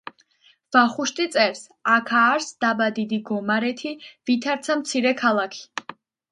ვახუშტი წერს: „აქა არს დაბა დიდი გომარეთი, ვითარცა მცირე ქალაქი“.